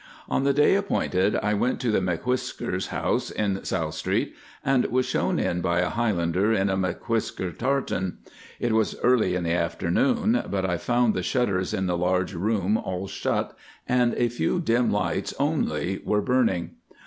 On the day appointed I went to the M'Whiskers' house in South Street, and was shown in by a Highlander in the M'Whisker tartan. It was early in the afternoon, but I found the shutters in the large room all shut, and a few dim lights only were burning.